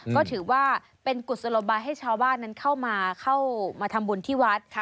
ก็ถือว่าเป็นกุศโลบายให้ชาวบ้านนั้นเข้ามาเข้ามาทำบุญที่วัด